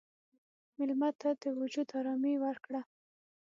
مېلمه ته د وجود ارامي ورکړه.